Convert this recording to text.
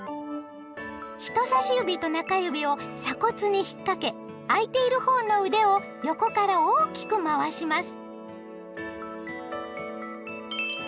人さし指と中指を鎖骨にひっかけ空いている方の腕を横から大きくまわします。